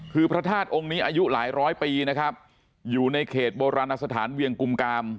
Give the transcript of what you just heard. คือพระธาตุองค์นี้อายุหลายร้อยปีนะครับอยู่ในเขตโบราณสถานเวียงกุมกาม